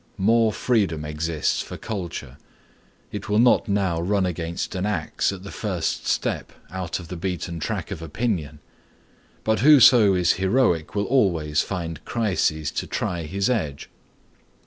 More freedom exists for culture. It will not now run against an axe at the first step out of the beaten track of opinion. But whoso is heroic will always find crises to try his edge.